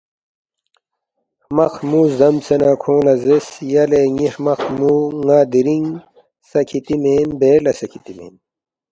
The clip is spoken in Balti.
ہرمق ہرمُو زدمسے نہ کھونگ لہ زیرس، ”یلے ن٘ی ہرمق ہرمُو ن٘ا دِرنگ سہ کِھتی مین بیر لہ سہ کِھتی مین